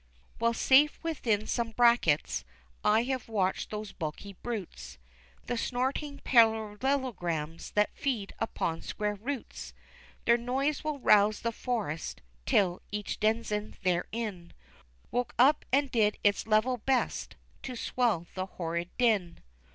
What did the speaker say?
While safe within some brackets I have watched those bulky brutes, The snorting Parallelograms that feed upon square roots; Their noise would rouse the forest till each denizen therein Woke up and did its "level best" to swell the horrid din.